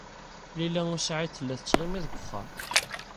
Lila u Saɛid tella tettɣimi deg wexxam.